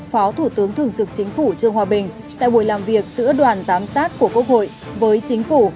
phó thủ tướng thường trực chính phủ trương hòa bình tại buổi làm việc giữa đoàn giám sát của quốc hội với chính phủ